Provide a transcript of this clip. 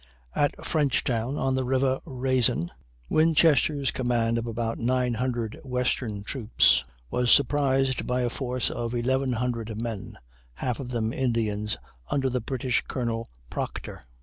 At Frenchtown, on the river Raisin, Winchester's command of about 900 Western troops was surprised by a force of 1,100 men, half of them Indians, under the British Colonel Proctor.